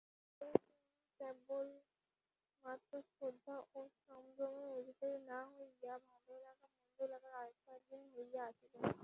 তখন তিনি কেবলমাত্র শ্রদ্ধা ও সম্ভ্রমের অধিকারী না হইয়া ভালোলাগা মন্দলাগার আয়ত্তাধীন হইয়া আসিলেন।